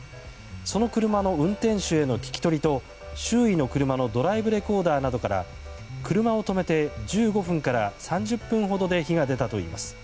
その車の運転手への聞き取りと周囲の車のドライブレコーダーなどから車を止めて１５分から３０分ほどで火が出たといいます。